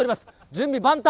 準備万端！